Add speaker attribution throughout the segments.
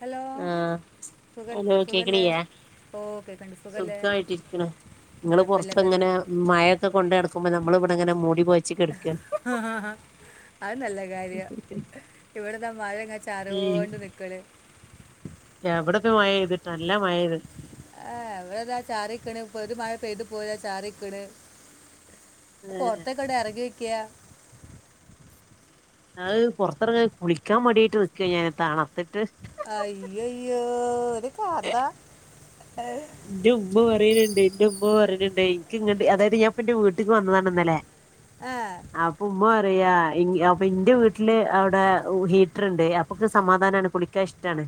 Speaker 1: Hello
Speaker 2: ആഹ്
Speaker 1: സുഖൽ
Speaker 2: hello
Speaker 1: സുഖല്ലേ
Speaker 2: കേക്ക്ണില്യേ
Speaker 1: ഓ കേൾക്കണ്ട് സുഖല്ലേ
Speaker 2: സുഖയിട്ടിരിക്ക്ണ് ഇങ്ങള്
Speaker 1: കുഴപ്പമില്ലാത്തത്
Speaker 2: പൊറത്തെങ്ങനെ മയൊക്കെ കൊണ്ട് നടക്കുമ്പോ നമ്മള് ഇവിടെങ്ങന മൂടി പൊയെ
Speaker 1: ആഹ് ആഹ് അത് നല്ല കാര്യ ഇവിടെന്ന മഴങ്ങ ചാറിയോണ്ട് നിക്ക്ണ്
Speaker 2: എവിടക്കെ മഴ ഇതിട്ട് നല്ല മഴയെയ്ത്
Speaker 1: ഏഹ് ഇവിടെതാ ചാറിക്ക്ണ് ഇപ്പൊ ഒരു മഴ പെയ്തു പോയാ ചാറിക്ക്ണ് ഇപ്പൊ
Speaker 2: ഏഹ്
Speaker 1: പൊർത്തെകട് അരങ്ങിയൊക്യാ
Speaker 2: അത് പൊറത്തറങ്ങാൻ കുളിക്കാൻ മടിയായിട്ട് നിക്ക ഞാൻ തണത്തിട്ട്
Speaker 1: അയ്യയ്യോ ഒരു കഥ ഏ
Speaker 2: ഇന്റെ ഉമ്മ പറയല്ണ്ട് ഇന്റെ ഉമ്മ പറയ്ണണ്ട് ഇൻക്ക് ഇങ്ങട്ട് അതായത് ഞാനിപ്പോ ഇന്റെ വീട്ട്ക്ക് വന്നതാണ് ഇന്നലെ
Speaker 1: ഏഹ്
Speaker 2: അപ്പ ഉമ്മ പറിയ അപ്പ ഇന്റെ വീട്ടില് അവിടെ ഉ ഹീറ്റർണ്ട് അപ്പൊക്ക് സമാധാനാണ് കുളി ള്ളിക്ക ഇഷ്ടാണ്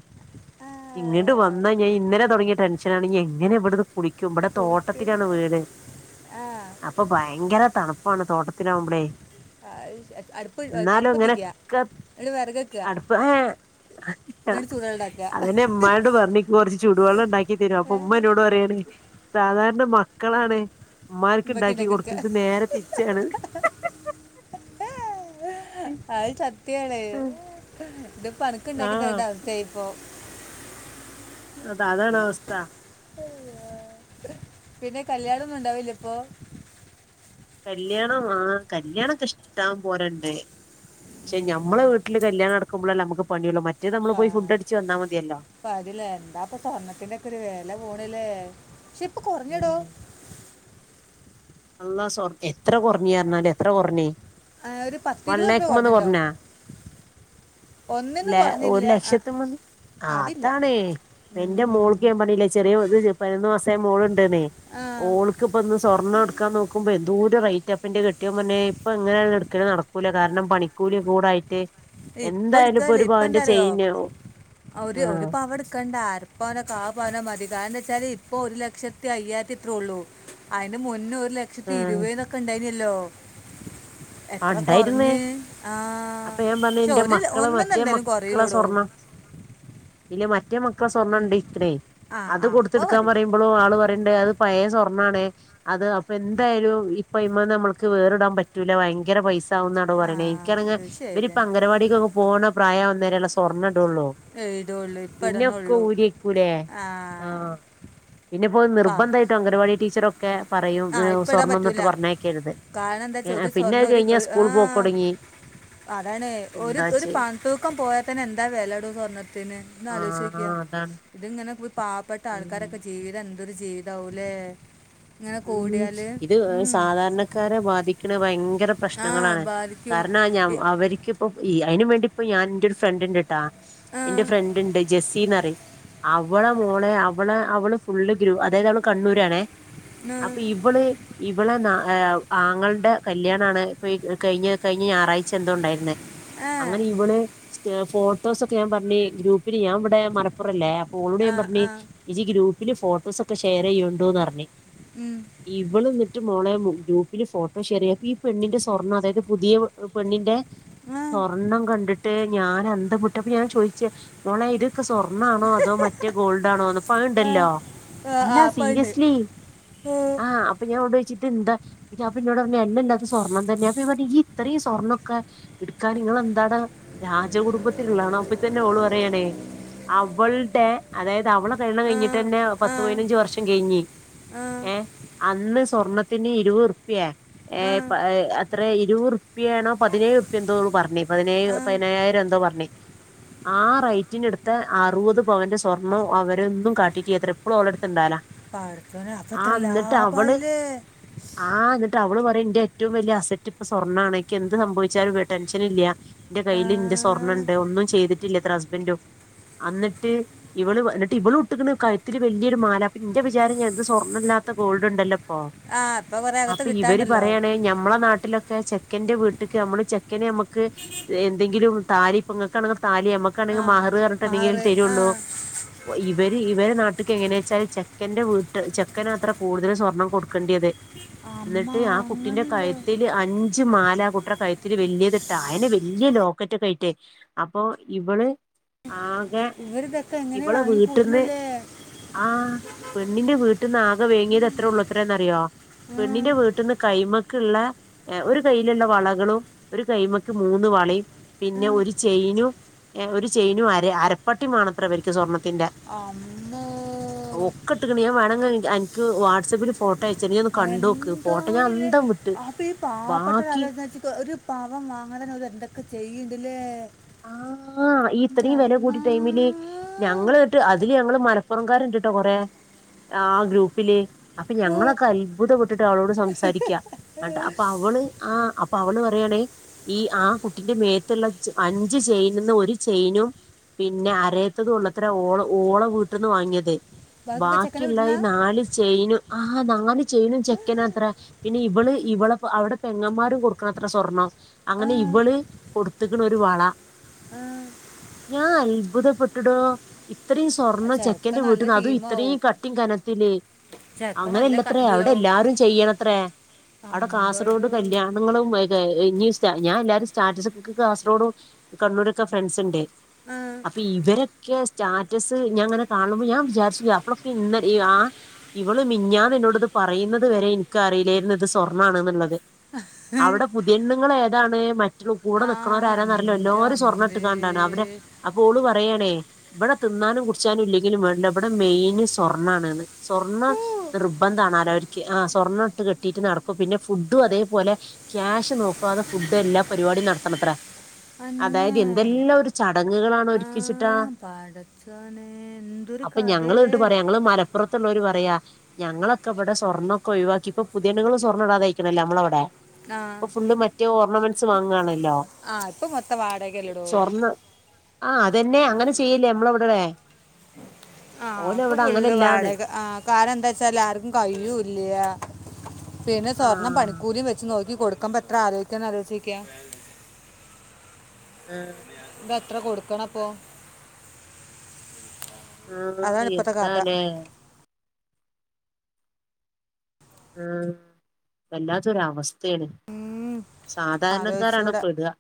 Speaker 1: ആ
Speaker 2: ഇങ്ങട്ട് വന്ന് കഴിഞ്ഞ ഇന്നലെ തൊടങ്ങിയ ടെൻഷനാണ് ഇനി എങ്ങനെ ഇവിടുന്ന് കുളിക്ക ക്ക്‌യും ഇബടെ
Speaker 1: കുളിച്ചത്
Speaker 2: തോട്ടത്തിലാണ് വീട് അ
Speaker 1: ആ
Speaker 2: അപ്പാ ഭയങ്കര തണുപ്പാണ് തോട്ടത്തിലാവുമ്പളേ
Speaker 1: അത് അടുപ്പ്
Speaker 2: എന്നാലും
Speaker 1: അടുപ്പത്തിക്ക
Speaker 2: ഇങ്ങനെക്കെ
Speaker 1: ഇന്നട്ട് വെടക്ക് വെക്ക
Speaker 2: അതല്ല, അതെന്നെ ഇമ്മാനോട് പറഞ്ഞ് ഇൻക്ക് കൊറച്ച് ചൂടുവള്ളം ഇണ്ടാക്കി ക്കിതരോ അപ്പൊ ഉമ്മനോട് പറയാണ് സാധാരണ മക്കളാണ് ഇമ്മാര്ക്ക്
Speaker 1: ഉമ്മക്ക്
Speaker 2: ഇണ്ടാക്കി
Speaker 1: ഉണ്ടാക്കി കൊടുക്കുക
Speaker 2: കൊടുക്കല് ഇത് നേരെ തിരിച്ചാണ്
Speaker 1: അത് സത്യാണ് ഇത് ഇപ്പനക്ക് ഇണ്ടാക്കി
Speaker 2: ആഹ്
Speaker 1: തര്ണ്ടേ അവസ്ഥേയിപ്പോ
Speaker 2: അത അതാണ് അവസ്ഥ
Speaker 1: പിന്നെ കല്യാണൊന്നും ഉണ്ടാവില്ലെ ഇപ്പൊ
Speaker 2: കല്യാണം ആഹ് കല്യാണക്കെ ഇഷ്ട്ടം പോലെണ്ട് പക്ഷെ ഞമ്മെളെ വീട്ടില് കല്യാണം നടക്കുമ്പളേല്ലെ ഞമ്മക്ക് പണിയൊള്ളൂ മറ്റേത് ഞമ്മള് പോയി ഫുഡ് അടിച്ച് വന്നാ മതിയല്ലോ
Speaker 1: അപ്പ അതിലെന്താപ്പൊ സ്വർണ്ണത്തിന്റെക്കൊര് വെല പോണ്ലേ പക്ഷെ ഇപ്പൊ കൊറഞ്ഞെടോ
Speaker 2: ഉം അള്ളാ സ്വാ ക്കെ എത്ര കൊറഞ്ഞ്റ്ഞ്ഞാലും എത്ര കൊറഞ്ഞ്
Speaker 1: ആ, ഒരു പത്തിരുപത് റുപ്യ
Speaker 2: വൺലെക്ക്മ്മന്ന്
Speaker 1: കുറഞ്ഞിട്ടുണ്ടാവും
Speaker 2: കൊറ്ഞ്ഞാ
Speaker 1: ഒന്നിന്ന്
Speaker 2: ലെ ഒരു
Speaker 1: കുറഞ്ഞില്ല ആ,
Speaker 2: ലക്ഷത്ത്മ്മന്ന് ആഹ്
Speaker 1: അതില്ല
Speaker 2: അതാണ് എന്റെ മോൾ
Speaker 1: ഉം.
Speaker 2: ക്ക് ഞാ പറഞ്ഞില്ലെ ചെറ്യേ പതിനൊന്ന് മാസായ മോള്ണ്ട്ന്ന്
Speaker 1: ആ
Speaker 2: ഓള്ക്ക്പ്പൊ ഇന്ന് സ്വർണ്ണം ഇട് ക്കാൻ നോക്ക്മ്പോ എന്തോര് റേറ്റാ ഇപ്പന്റെ കെട്ട്യോൻ പറഞ്ഞ് ഏ ഇപ്പങ്ങനെയാല് ഇട്ക്കല് നട ക്കൂല കാരണം പണിക്കൂലി ഒക്കെകൂടായിട്ട്
Speaker 1: ഇപ്പ ഇട്ക്കാല്ലേ ഇപ്പ എന്താറ്യോ ഒര് ഒരു
Speaker 2: ആഹ്
Speaker 1: പവട്ക്കണ്ടാ അര പ്പവനോ കാപ്പവനോ മതി കാരണന്തെച്ചാല് ഇപ്പൊ ഒരു ലക്ഷത്തി അയ്യാര്ത്തി എത്രോ ഒള്ളൂ അയിന്റെ മുന്നേ ഒരു ലക്ഷത്തി
Speaker 2: ആഹ്
Speaker 1: ഇരുവേനോക്കെ ഇണ്ടായിനല്ലോ
Speaker 2: ആഹ്
Speaker 1: എത്ര
Speaker 2: ഉണ്ടായിരുന്നേ
Speaker 1: കൊറഞ്ഞ് ആഹ്
Speaker 2: അപ്പൊ ഞാൻ പറഞ്ഞെ ഇന്റെ മക്കളെ മറ്റേ മക്കളെ സ്വർണം ഇ മറ്റേ മക്കളെ സ്വർണ്ണണ്ട് ഇത്രേ
Speaker 1: ആ
Speaker 2: അത്
Speaker 1: ആ അപ്പോൾ
Speaker 2: കൊടുത്ത്ട്ക്കാൻ
Speaker 1: മതി
Speaker 2: പറയു മ്പളും ആള് പറിണ്ട് അത് പയേ സ്വർണ്ണാണ് അത് അപ്പൊ എന്തായാലും ഇപ്പ അയ്മ്മന്ന് അമ്മൾക്ക് വേറിടാൻ പറ്റൂല ഭയങ്ക ങ്കര പൈസാവുന്നാടോ
Speaker 1: ആ
Speaker 2: പറിണെ ഇൻക്കാണെങ്കി
Speaker 1: ഇത്
Speaker 2: ഇവരിപ്പ
Speaker 1: ശരി
Speaker 2: അംഗവാടികൊക്കെ പോണ പ്രായാവുന്നെരള്ള സ്‌ സ്വാർണടോള്ളൂ
Speaker 1: എഴുതുള്ളൂ ഇപ്പം
Speaker 2: പിന്നൊക്കെ
Speaker 1: ഇടണുള്ളൂ
Speaker 2: ഊരിക്കൂലെ
Speaker 1: ആ
Speaker 2: ആഹ് പിന്നെപ്പോ
Speaker 1: പാ
Speaker 2: നിർബന്ധായിട്ടും അംഗനവാടി ടീച്ചറൊ ക്കെ പറയും
Speaker 1: ആ ഇപ്പം ഇടാൻ
Speaker 2: സ്വാർണ്ണോന്ന്ട്ട്
Speaker 1: പറ്റൂല
Speaker 2: പറഞ്ഞേക്കര്ത്
Speaker 1: കാരണം എന്താ വെച്ചാൽ
Speaker 2: ഏ
Speaker 1: ഒരു
Speaker 2: പി പിന്നെ
Speaker 1: സ്വർണ്ണ
Speaker 2: അത്
Speaker 1: ഒരു
Speaker 2: കഴിഞ്ഞ
Speaker 1: ഒരു- ആ
Speaker 2: സ്കൂള് പോക്കൊടങ്ങി എന്താചെയ്യാ
Speaker 1: തൂക്കം പോയാ തന്നെ എന്താ വേലേടോ സ്വർണ്ണത്തിന് ഒന്ന്
Speaker 2: ആഹ്
Speaker 1: ആലോയിച്ചോക്ക്യ
Speaker 2: അതാണ്
Speaker 1: ഇത്ങ്ങനെ പാവപ്പെ ട്ട
Speaker 2: ഉം
Speaker 1: ആള്ക്കാരൊക്കെ ജീവിതം എന്തൊരു ജീവിതാവും ലേ
Speaker 2: ഉം ഇത് സാധാരണക്കാരെ ബാധിക്ക്ണ ഭയങ്കര
Speaker 1: ആ
Speaker 2: പ്രശ്നങ്ങളാണ്
Speaker 1: ബാധിക്കും
Speaker 2: കാരണം ഞാൻ
Speaker 1: ഇ-
Speaker 2: അവര്ക്കിപ്പൊ ഈ അയിനു വേണ്ടിപ്പോ ഞാൻ ഇന്റോരു ഫ്രണ്ട്ണ്ട്ട്ടാ
Speaker 1: ആ
Speaker 2: ഇന്റെ ഫ്രണ്ട്ണ്ട് ജെസ്സിന്നറിം അവ ഇവളെ മോളെ അവള് അവള് ഫുള്ള് ഗ്രൂ അതായത് അവള് കണ്ണൂരാണെ അപ്പൊ ഇവള് ഇവളെ ന്ന ആങ്ങളെന്റെ കല്യാണാണ് ഇപ്പൊ ഈ കഴിഞ്ഞ കഴിഞ്ഞ ഞായറാഴ്ച എന്തോ ഉണ്ടായിരുന്നേ
Speaker 1: ആ ആ
Speaker 2: അങ്ങനെ ഇവള് ഫോട്ടോസൊക്കെ ഞാൻ പറഞ്ഞ് ഗ്രൂപ്പിന് ഞാൻ ഇവിടെ മലപ്പുറല്ലേ ഓളോട്
Speaker 1: ആ
Speaker 2: ഞാൻ പറഞ്ഞ്
Speaker 1: ആ
Speaker 2: ഇജ്ജ് ഗ്രൂപ്പില് ഫോട്ടോസൊക്കെ ഷെയറെയ്യോണ്ടൂന്ന് പറഞ്ഞ്
Speaker 1: ഉം
Speaker 2: ഇവള് ഇന്നിട്ട് മോളെ ഗ്രൂപ്പില് ഫോട്ടോ ഷെയറെയ്യാ അപ്പൊ ഈ പെണ്ണിന്റെ സ്വർണം അതായത് പുതിയ പെണ്ണിന്റെ
Speaker 1: ആ
Speaker 2: സ്വർണം കണ്ട്ട്ട് ഞാന് അന്ധം വിട്ടു അപ്പൊ ഞാൻ ചോയിച്ച് മോളെ ഇത് സ്വർണ്ണാണോ അതോ മറ്റേ ഗോൾഡാണോന്ന്
Speaker 1: ആ
Speaker 2: ഇപ്പത്ണ്ടല്ലോ അല്ല സീരിയസ്‌ലി
Speaker 1: ഏഹ്
Speaker 2: ആഹ് അപ്പ ഞാൻ ഓളോടോയിച്ച് ഇതെന്താ ഇത് അപ്പൊ ഇന്നോട്റ്ഞ്ഞ് എല്ലല്ലാ ഇത് സ്വർണം തന്നെ അപ്പ ഞാ പറ്ഞ്ഞ് ഇജ്ജ് ഇത്രീം സ്വർണ്ണൊക്കെ ഇട്ക്കാന് ഇങ്ങെളെന്താടെ രാജകുടുംബത്തില്ള്ളാണോ അപ്പൊത്തന്നെ ഓള് പറയാണേ അവള്ടെ അതായത് അവളെ കല്യാണം
Speaker 1: ആ
Speaker 2: കഴിഞ്ഞിട്ടെന്നെ
Speaker 1: ആ
Speaker 2: പത്തു പയിനഞ്ച് വർഷം കഴിഞ്ഞ്
Speaker 1: ആ
Speaker 2: ഏ അന്ന് സ്വർണ്ണത്തിന് ഇരുവറുപ്പ്യെ ഏഹ്
Speaker 1: ആ
Speaker 2: പ എത്രേ ഇരുവറുപ്പ്യയാണോ പതിനേഴ്റുപ്പ്യെ എന്തോ പറഞ്ഞേ പതിനേഴ്
Speaker 1: ആ
Speaker 2: പതിനെയ്യായിരോ എന്തോ പറഞ്ഞ് ആ റേറ്റിന് ഇട്ത്ത അറുപത് പവന്റെ സ്വർണ്ണം അവരൊന്നും കാട്ടിട്ടില്ലത്ര ഇപ്പളും ഓളെട്ത്ത്ണ്ടാല
Speaker 1: പടച്ചോനെ അപ്പ എത്ര ലാഭായിലേ
Speaker 2: ആഹ് എന്നിട്ട് അവള് പറയും എന്റെ ഏറ്റവും വലിയ അസറ്റ് ഇപ്പൊ സ്വർണ്ണ ആണ് എനിക്ക് എന്ത് സംഭവിച്ചാലും ടെൻഷൻ ഇല്ല. ഇന്റെ
Speaker 1: ആ,
Speaker 2: കയ്യിൽന്റെ സ്വർണ്ണണ്ട് ഒന്നും ചെയ്തിട്ടില്ലത്രേ ഹസ്ബൻഡും. അന്നിട്ട് ഇവള് എന്നിട്ട് ഇവളു ഇട്ടിക്ക്ണ് കഴിത്തില് വലിയൊരു മാല അപ്പന്റെ വിചാരം ഞാത് സ്വർ ണല്ലാത്ത ഗോൾഡ് ഉണ്ടല്ലപ്പോ
Speaker 1: ആ ഇപ്പൊ കൊറേ അകത്ത്
Speaker 2: അപ്പൊ ഇവര്
Speaker 1: കിട്ടാണ്ടല്ലോ
Speaker 2: പറയാണെ ഞമ്മളെ നാട്ടിലൊക്കെ ചെ ചെക്കന്റെ വീട്ടിക്ക് നമ്മള് ചെക്കന് നമുക്ക് എന്തെങ്കിലും താലി പ്പങ്ങക്കാണെങ്കിൽ താലി നമ്മ
Speaker 1: ആ
Speaker 2: കാണെങ്കിൽ മഹറ് പറഞ്ഞിട്ട് എന്തെങ്കിലും
Speaker 1: മഹറ് ആ
Speaker 2: തരൊള്ളു. ഇവര് ഇവര് നാട്ടിക്ക് എങ്ങനേച്ചാല് ചെക്കന്റെ വീട്ട് ചെ ചെക്കനാത്ര കൂടുതൽ സ്വർണം കൊടുക്കേണ്ടിയത്
Speaker 1: അമ്മ
Speaker 2: എന്നിട്ട് ആഹ് കുട്ടിന്റെ
Speaker 1: അങ്ങനുണ്ടോ
Speaker 2: കഴുത്തിൽ അഞ്ച് മാല കൂട്ടരെ കയിത്തില് വലിയത് ഇട്ടാ അയെ നെ വല്യ ലോക്കറ്റൊക്കിയിട്ട്. അപ്പൊ ഇവള് ആഹ്
Speaker 1: ഇവരിതൊക്കെ എങ്ങനെ
Speaker 2: ഇവളെ
Speaker 1: വാങ്ങി
Speaker 2: വീട്ടിന്ന്
Speaker 1: കൂട്ടണല്ലേ
Speaker 2: ആഹ് പെണ്ണിന്റെ വീട് വീട്ടിന്ന് ആകെ വേങ്ങിയത് എത്രേ ഉള്ളൂ അത്രേന്നറിയോ
Speaker 1: ഉം,
Speaker 2: പെണ്ണിന്റെ വീട്ടിന്ന് കൈമക്ക്ള്ള ഒരു കയ്യിലുള്ള വളകളും ഒരു കൈയ്മക്ക് മൂന്ന് വളയും പിന്നെ
Speaker 1: ഉം.
Speaker 2: ഒരു ചെയിനും. ഒരു ചെയിനും അര അരപ്പട്ടിമാണെത്ര ഇവർക്ക് സ്വർണ്ണത്തിന്റെ.
Speaker 1: അമ്മോ
Speaker 2: കെട്ട്ക്ക്ണ ഞാൻ വാണങ്കി അൻക്ക് വാട്സആപ്പിൽ ഫോട്
Speaker 1: എന്താണില്ലേ
Speaker 2: വിട്ട്
Speaker 1: അപ്പൊ ഈ പാവപ്പെട്ട
Speaker 2: ബാക്കി
Speaker 1: [unintelligible] ഒര് പവൻ വാങ്ങാന് ഓല് എന്തൊക്കെ ചെയ്യ്ണ്ടില്ലേ?
Speaker 2: ആഹ് ഈ ഇത്രയും വില കൂടിയ ടൈമില്. ഞങ്ങള് ഇട്ട് അതില് ഞങ്ങള് മലപ്പുറംകാര് ഇണ്ട്ട്ടോ കൊറെ ആഹ് ഗ്രൂപ്പില്. അപ്പൊ
Speaker 1: ഓ
Speaker 2: ഞങ്ങളൊക്കെ അത്ഭുതപ്പെട്ടിട്ട അവളോട് സംസാരിക്ക അപ്പൊ അവള്. ആഹ് അപ്പൊ അവള് പറയാണേ ഈ ആഹ് കുട്ടിന്റെ മേത്തുള്ള ചെ അഞ്ച് ചെയിനിന്ന് ഒരു ചെയിനും പിന്നെ അരയത്തതും ഒള്ളത്ര ഓളെ ഓളെ വീട്ട്ന്ന് വാങ്ങിയത്.
Speaker 1: ബാക്കിയൊക്കെ ചെക്കനെ
Speaker 2: ബാക്കിയുള്ള
Speaker 1: വിട്ടണ
Speaker 2: ഈ നാല് ചെയിനും ആഹ് നാല് ചെയിനും ചെക്കനാത്ര. പിന്നെ ഇവള് ഇവള അവിടെ പെങ്ങന്മാരും കൊടുക്കണത്ര സ്വർണ്ണം അങ്ങനെ
Speaker 1: ആ
Speaker 2: ഇവള് കൊടുത്ത് ഒരു വള
Speaker 1: ആ,
Speaker 2: ഞാൻ അത്ഭുതപ്പെട്ടടോ. ഇത്രയും സ്വർണ്ണ
Speaker 1: ചെക്കൻ
Speaker 2: ചെക്കന്റെ
Speaker 1: നല്ല
Speaker 2: വീട്ടിന്ന് അതും
Speaker 1: ടീമാവും
Speaker 2: ഇത്രയും കട്ടി കനത്തില്.
Speaker 1: ചെക്കൻ നല്ല
Speaker 2: അങ്ങനെല്ലത്രേ അവിടെ
Speaker 1: കഴിവുള്ളാവും
Speaker 2: എല്ലാരും ചെയ്യണത്രേ അവിടെ കാസർഗോഡ്
Speaker 1: അമ്പടോ
Speaker 2: കല്യാൺ ങ്ങളും [unintelligible] ഞാൻ എല്ലാവരും സ്റ്റാറ്റസക് കാസർഗോഡും കണ്ണൂരൊക്കെ ഫ്രണ്ട്സ് ഉണ്ട്.
Speaker 1: ആ.
Speaker 2: അപ്പൊ ഇവരൊക്കെ സ്റ്റാറ്റസ് ഞാൻ അങ്ങനെ കാണുമ്പോ ഞാൻ വിചാരിച്ചില്ല അപ്പോളൊക്കെ ഇന്നല ആഹ് ഇവള് മിഞ്ഞാന്ന് എന്നോട് ഇത് പറയുന്നത് വരെ ഇൻക്ക് അറിയില്ലായിരുന്നു ഇത് സ്വർണ്ണാണ്ന്നുള്ളത് അവിടെ പുതിയണ്ണ്ങ്ങൾ ഏതാണ് മറ്റുള്ള കൂടെ
Speaker 1: ആ
Speaker 2: നിക്കുന്നവർആരാന്നറിയില്ലോ
Speaker 1: എന്റെ
Speaker 2: എല്ലാവരും സ്വർണ്ണം
Speaker 1: അമ്മേ
Speaker 2: ഇട്ട്കാണ്ടാണ് അവര് അപ്പൊ ഓള് പറയാണേ ഇവിടെ തിന്നാനും കുടിച്ചാനും ഇല്ലെങ്കിലും വേണല്ലോ ഇവിടെ മെയിന് സ്വർണ്ണാണ്ന്ന് സ്വർണ്ണ
Speaker 1: ഓ
Speaker 2: നിർബന്ധാണ് ആണാലോ അവർക്ക് ആഹ് സ്വർണ്ണ ഇട്ട് കെട്ടിയിട്ട് നടക്കും പിന്നെ ഫുഡും അതേപോലെ ക്യാഷ് നോക്കാതെ ഫുഡ് എല്ലാ പരിപാടി നടത്തണത്ര
Speaker 1: അന്നെ
Speaker 2: അതായത് എന്തെല്ലാം ഒരു ചടങ്ങുകളാണോ ഒരുക്കിച്ചിട്ടാ
Speaker 1: പടച്ചോൻ
Speaker 2: അപ്പൊ ഞങ്ങൾ കേട്ട് പറയാ ഞങ്ങൾ മലപ്പുറത്തള്ളവര് പറയാ ഞങ്ങളൊക്കെ ഇവിടെ സ്വർണ്ണൊക്ക ഒഴിവാക്കി ഇപ്പോ പുതിയണ്ണുകൾ സ്വർണ്ണം ഇടാതെ അയ്ക്കണല്ലോ നമ്മളവിടെ
Speaker 1: ആ
Speaker 2: ഇപ്പോ ഫുള്ള് മറ്റേ ഓർണമെന്റ്സ് വാങ്ങാണല്ലോ
Speaker 1: ആഹ് ഇപ്പം മൊത്തം വാട്
Speaker 2: സ്വർണ്ണം ആഹ് അതെന്നെ അങ്ങനെ ചെയ്യില്ലേ നമ്മളെ ഇവിടെടെ
Speaker 1: ആഹ് അപ്പൊ ഫുള്ള് വാടക ആഹ് കാരം എന്താ വച്ചാൽ ആർക്കും കഴിയുല്ല പിന്നെ സ്വർണം
Speaker 2: ആഹ്
Speaker 1: പണിക്കൂലിയും വെച്ച് നോക്കി കൊടുക്കമ്പൊ എത്ര ആലോയിക്കണം ആലോചിച്ചോക്ക്യാ
Speaker 2: ആഹ്
Speaker 1: ഇതത്ര കൊടുക്കണ അപ്പോ
Speaker 2: ആഹ്
Speaker 1: അതാണ് ഇപ്പഴത്തെ കഥ
Speaker 2: എന്താലേ ആഹ് വല്ലാത്തൊരു അവസ്തേണ്
Speaker 1: ഉം,
Speaker 2: സാധാരണക്കാരാണ്
Speaker 1: ആലോചിച്ചൂടാ
Speaker 2: പ്പേ ടാ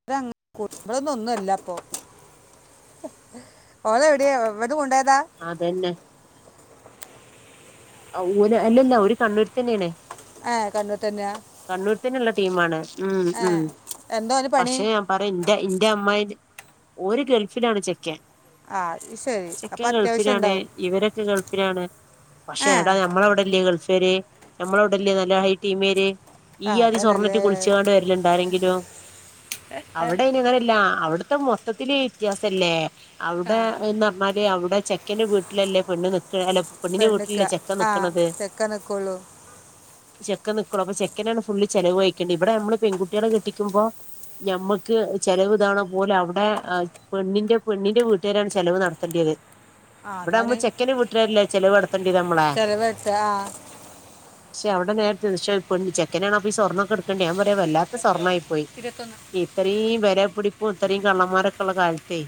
Speaker 1: [unintelligible] കൊടുക്കുന്നത് ഇവിടെന്നും ഒന്നുമല്ല പ്പോ ഓലോ എവിടെയാ എവിടെന്ന് കൊണ്ടായതാ
Speaker 2: അതെന്നെ ആ ഓല് അല്ലല്ല ഓര് കണ്ണൂരി തന്നെയാണ്
Speaker 1: ഏ കണ്ണൂർ തന്നെയാ
Speaker 2: കണ്ണൂരിൽ തന്നെയുള്ള ടീമാണ് ഉം
Speaker 1: ഏ
Speaker 2: ഉം
Speaker 1: എന്തോ അതിന് പണി
Speaker 2: പക്ഷെ [unintelligible] ഇന്റെ ഇന്റെ അമ്മായി ഓര് ഗൾഫിലാണ് ചെക്കൻ
Speaker 1: ആ ഇത് ശരി
Speaker 2: ചെക്കൻ
Speaker 1: അപ്പം അത്യാവശ്യം
Speaker 2: ഗൾഫിലാണ്
Speaker 1: ഉണ്ടാവും
Speaker 2: ഇവരൊക്കെ ഗൾഫിലാണ് പക്ഷെ
Speaker 1: ഏ
Speaker 2: എടാ നമ്മളെവിടെല്യേ ഗൾഫേര് നമ്മളവ്ടെല്യേ നല്ല ഹൈ ടീമേര്
Speaker 1: ആ
Speaker 2: ഈ ആദി സ്വർണ്ണട്ട്
Speaker 1: അതന്നല്ലേ
Speaker 2: കുളിച്ചാണ്ട് വേര്ല് ണ്ടോ ആരെങ്കിലും അവ്ടെയിന് അങ്ങനെല്ല അവിടുത്തെ മൊത്തത്തില വ്യത്യാസല്ലേ
Speaker 1: ആ
Speaker 2: അവിടെ എന്ന് പറഞ്ഞാല് അവിടെ ചെക്കന്റെ വീട്ടിലല്ലേ പെണ്ണ് നി ക്കാ പെണ്ണിന്റെ വീ
Speaker 1: നിക്ക ആഹ് ചെക്കൻ നിക്കുള്ളൂ
Speaker 2: ചെക്കൻ നിക്കുള്ളു ചെക്കനാണ് ഫുള് ചെലവ്കഴിക്കണ്ട ഇവിടെ നമ്മൾ പെൺകുട്ട്യാളെ കെട്ടിക്കുമ്പോ ഞമ്മക്ക്ചെലവ്താണെ പോലെ അവ്ടെ പെണ്ണിന്റെ പെണ്ണിന്റെ വീട്ടുകാരാണ് ചെലവ് നടത്തേണ്ടിയത്
Speaker 1: ആ
Speaker 2: ഇവിടെയാവുമ്പോ
Speaker 1: അതാണ്
Speaker 2: ചെക്കന്റെ വീട്ടാരല്ലേ ചെലവ് നടത്തണ്ടി നമ്മളെ
Speaker 1: ചിലവെടുത്ത ആ
Speaker 2: ക്ഷേ അവിടെ നേര തിരിച്ച പെണ്ണ് ചെക്കനാണ് അപ്പൊ സ്വർണ്ണക്കെടുക്കണ്ട ഞാ പറയാ വല്ലാത്ത സ്വർണ്ണയി പോയി
Speaker 1: ഇരുപത്തൊന്ന്
Speaker 2: ഇത്തരീം വിലപിടിപ്പും ഇതരീം കള്ളന്മാരൊക്കെ ഉള്ള കാലത്തേ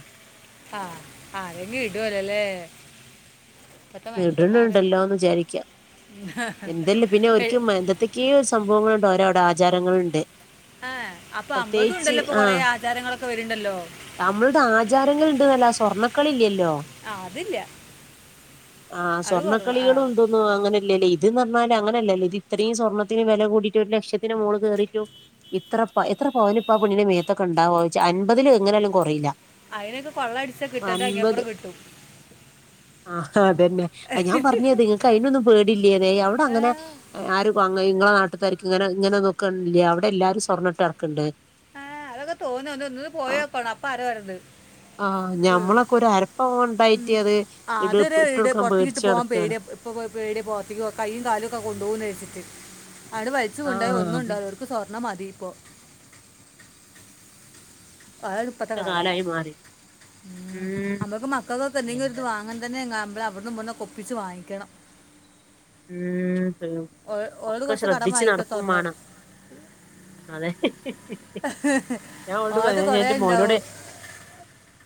Speaker 1: ആ ആരേം ഇടോ ലലെ?
Speaker 2: ഇട്ന്ണ്ടല്ലോ എന്ന് വിചാരിക്ക എന്തല്ലേ പിന്നെ
Speaker 1: മനുഷ്യന്മാർ
Speaker 2: ഒരിക്കും എന്തത്ത ക്യോ സംഭവങ്ങളുണ്ട്. ഓരടെ ആചാരങ്ങളുണ്ട്
Speaker 1: ആ അപ്പൊ
Speaker 2: പ്രത്യേകിച്ച്
Speaker 1: അമ്മൾതുണ്ടല്ലോ ഇപ്പൊ കൊറേ ആചാരങ്ങളൊക്കെ വര്ണ്ടല്ലോ
Speaker 2: നമ്മള്ത് ആചാരങ്ങൾഇണ്ട് ന്നല്ലാസ്വർണ്ണക്കളി ഇല്ലല്ലോ?
Speaker 1: ആ അതില്ല
Speaker 2: ആ
Speaker 1: അത് കുറവ് ആ
Speaker 2: സ്വർണക്കളികളും ഇതും അങ്ങനല്ലെടീ ഇത് ന്ന് റിഞ്ഞാല് അങ്ങനെയല്ലേ ഇത്രീംസ്വർണ്ണത്തിന്‌വില കൂടിയിട്ട് ഒരു ലക്ഷത്തിന് മോള്കേറീറ്റും ഇത്ര എത്ര പവന് പ്പാ പെണ്ണിനന്റെ മേത്തൊക്കെ ഇണ്ടാവോ അൻപതിലും എങ്ങനൊലും കൊറീല
Speaker 1: അതിനൊക്കെ കൊള്ള അടിച്ചാ കിട്ടണ്ട ഇൻങ്ങേപ്പുറം കിട്ടും
Speaker 2: ആ ഹ് അതെന്നെ അ ഞാൻ പറഞ്ഞത് നിങ്ങക്ക് അയിനൊന്നും പേടില്ലേന്ന് അവിടെ
Speaker 1: ആ,
Speaker 2: അങ്ങനെ ആരുംഅങ്ങ ഇങ്ങളെ നാട്ടത്താരിക്ക് ഇങ്ങനെ ഇങ്ങനെ നോക്കില്ല അവിടെ എല്ലാരും സ്വർണ്ണട്ട് നടക്ക്ണ്ട്
Speaker 1: ആഹ് അതൊക്കെ തോന്ന ഒന്നന്ന് പോയോകണം അപ്പ അറിയ ഓരേ ത്
Speaker 2: ആഹ് ഞമ്മളൊക്കെ ഒരു അരപ്പവൻ ഉണ്ടായിട്ട് അത് ഇട്
Speaker 1: പ്പത്
Speaker 2: കൊടുക്കാൻ
Speaker 1: പ്പുറത്തികിട്ട്
Speaker 2: പേടിച്ച്
Speaker 1: പോവാൻ
Speaker 2: നടക്കാണ്
Speaker 1: പടിയ ഇപ്പ പേടിയ പൊറ്ത്തി കയ്യും കാലൊ ഒക്ക കൊണ്ടു പോകന്ന് വിചാരിച്ചിട്ട്. ആണ്ട് വലിച്ചു കൊണ്ടായോ
Speaker 2: ആഹ്
Speaker 1: ഒന്നും
Speaker 2: അത്
Speaker 1: ഉണ്ടാോ പ്പൊ സ്വർണ്ണം മതി ഇപ്പോ അതാണ് ഇപ്പത്തെ
Speaker 2: അങ്ങനത്തെ
Speaker 1: കാലം.
Speaker 2: കാലായി മാറി
Speaker 1: ഉം നമ്മക്ക് മക്കൾക്കൊക്കെ എന്തെങ്കിലുംത്
Speaker 2: എന്താ
Speaker 1: വാങ്ങ ണി തന്നെഅമ്മള് അവട്ന്നും ഇവിടുന്നു ഒപ്പിച്ചു വാങ്ങിക്കണം
Speaker 2: ഉം അന്നെ
Speaker 1: ഓ- ഓളോട്
Speaker 2: ഒക്കെ
Speaker 1: കുറച്ച് കടം
Speaker 2: ശ്രദ്ധിച്ച്
Speaker 1: വാങ്ങിക്കോ
Speaker 2: നടക്കും
Speaker 1: തുറന്നു
Speaker 2: മാണം അതെ ഹി ഹി ഹി ഞാൻ ഒളോട്
Speaker 1: ഓളത്
Speaker 2: പറയ ഞാൻ
Speaker 1: കുറേ
Speaker 2: ന്റെ മോനോടെ
Speaker 1: ഉണ്ടാവും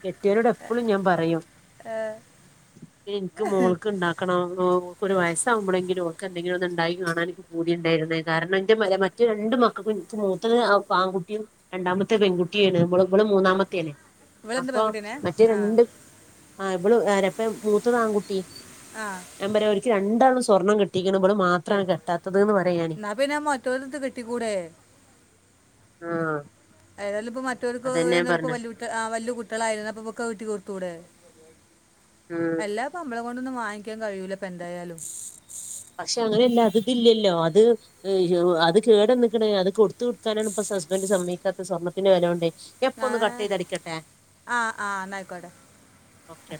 Speaker 2: കെട്ടിയരോട് എപ്പളും ഞാൻ പറയും
Speaker 1: ആഹ്
Speaker 2: ഇന്ക്ക് മോൾക്ക് ഇണ്ടാക്കണം. മോൾക് ഒരു
Speaker 1: ഏഹ്.
Speaker 2: വയസ് വുമ്പളേങ്കിലും അവക്കെന്തെങ്കിലും ഒന്ന് ഇണ്ടായി കാണാ പൂതി ഉണ്ടായിരുന്ന. കാരണം എന്റെ മറ്റു രണ്ട് മക്കും മൂതത് ആൺകുട്ടിയും രണ്ടാമത്തെ പെൺകുട്ടിയാണ്. ഇവള് മൂന്നാമത്തെ ആണ്.
Speaker 1: ഇവളെന്ത്
Speaker 2: അപ്പൊ
Speaker 1: പെൺകുട്ടീനെ
Speaker 2: മറ്റേ
Speaker 1: ആ
Speaker 2: രണ്ട് ആ ഇവളുംആരപ്പ മൂത്തതാൺകുട്ടി
Speaker 1: ആഹ്
Speaker 2: ഞാൻ പറിയാ ഓൽക്ക് രണ്ടാളും സ്വർണ്ണം കെട്ടിക്ക്ണ് ഇവെൾ മാത്രാണ്
Speaker 1: കേട്ടി
Speaker 2: കെട്ടാത്തെത് ന്ന് പറിയെ ഞാന്
Speaker 1: എന്നാ പിന്നെ മറ്റോരുടത്ത് കെട്ടിക്കൂടെ
Speaker 2: ആഹ്
Speaker 1: ഏതാലും ഇപ്പൊ മറ്റോൽക്ക് ഓൽ
Speaker 2: അതന്നെ ഞാൻ
Speaker 1: എന്തായാലും ഇപ്പോ
Speaker 2: പറഞ്ഞെ
Speaker 1: വല്ല്യ കുട്ടി ആഹ് വല്ല്യ കുട്ടിയാൾ ആയിര്ന്നാ ഇപ്പം ഇബെക്ക് അഹ് വെട്ടി കൊട്ത്തുടെ
Speaker 2: ഉം
Speaker 1: അല്ലാതെ ഇപ്പം ഞമ്മളെ കൊണ്ടൊന്നും വാങ്ങിക്കാൻ കയ്യൂല ഇപ്പം എന്തായാലും
Speaker 2: പക്ഷെ അങ്ങനെ അല്ല അത് ഇത് ഇല്ലല്ലോ അത് ഏഹ് യ്യോ അത് കേടെന്ന്ക്ക്ണ് അത് കൊടുത്ത് കൊട്ത്താലാണ് ഇപ്പം സസ്ബെന്റ് സമ്മെയ്ക്കാത്തെ സ്വർണത്തിന്റെ വെലോണ്ടെയ് ഞാ ഇപ്പം
Speaker 1: ആ
Speaker 2: ഒന്ന് കട്ട് ചെയ്ത് ആടിക്കെട്ടെ
Speaker 1: ആ ആ എന്നായിക്കോട്ടെ
Speaker 2: ഓക്കെ